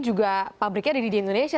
juga pabriknya ada di indonesia